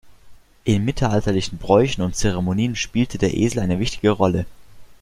In mittelalterlichen Bräuchen und Zeremonien spielte der Esel eine wichtige Rolle.